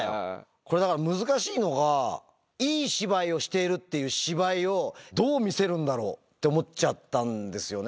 これ、だから難しいのが、いい芝居をしているっていう芝居をどう見せるんだろうって思っちゃったんですよね。